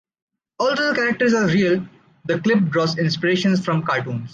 Although the characters are real, the clip draws inspiration from cartoons.